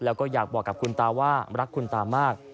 แล้วก็อยากบอกกับคุณตาว่ารักคุณตามาก